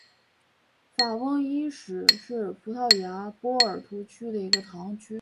法翁伊什是葡萄牙波尔图区的一个堂区。